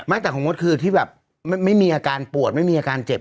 แต่ของมดคือที่แบบไม่มีอาการปวดไม่มีอาการเจ็บ